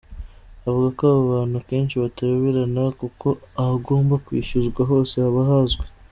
Avuga ko aba bantu akenshi batayoberana kuko ahagomba kwishyuzwa hose haba hazwi.